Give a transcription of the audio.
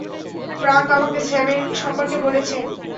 Frank আমাকে স্যামের সম্পর্কে বলেছে।